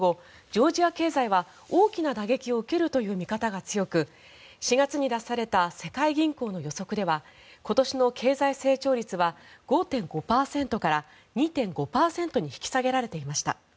ジョージア経済は大きな打撃を受けるという見方が強く４月に出された世界銀行の予測では今年の経済成長率は５．５％から２．５％に引き下げられていました。